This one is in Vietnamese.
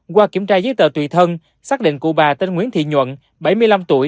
qua kiểm tra giấy tờ tùy thân xác định cụ bà tên nguyễn thị nhuận bảy mươi năm tuổi